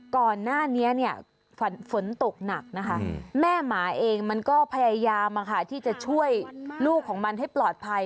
ก่อนหน้านี้เนี่ยฝนตกหนักนะคะแม่หมาเองมันก็พยายามที่จะช่วยลูกของมันให้ปลอดภัย